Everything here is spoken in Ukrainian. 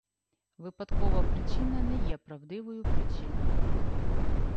Випадкова причина не є правдивою причиною.